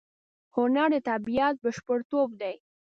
هنر د طبیعت بشپړتوب دی.